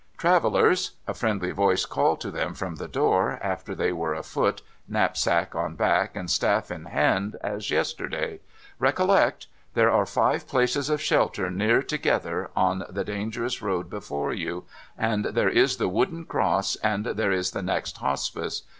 ' Travellers !' a friendly voice called to them from the door, after they were afoot, knapsack on back and staff in hand, as yesterday ;' recollect ! There are five places of shelter, near together, on the dangerous road before you ; and there is the wooden cross, and there is the next Hospice.